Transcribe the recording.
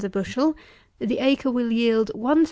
a bushel, the acre will yield 1,830lb.